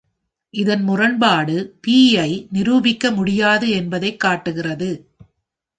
இந்த முரண்பாடு "p" ஐ நிரூபிக்க முடியாது என்பதைக் காட்டுகிறது.